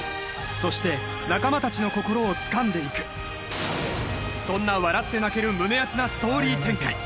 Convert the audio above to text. そして仲間達の心をつかんでいくそんな笑って泣ける胸熱なストーリー展開